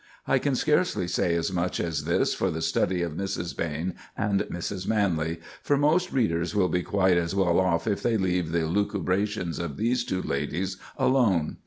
I can scarcely say as much as this for the study of Mrs. Behn and Mrs. Manley—for most readers will be quite as well off if they leave the lucubrations of these two ladies alone.